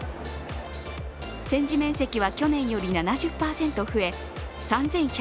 展示面積は去年より７０％増え３１００